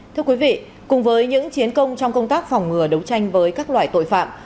thưa quý vị cùng với những chiến công trong công tác phòng ngừa đấu tranh với các loại tội phạm